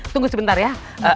tunggu sebentar ya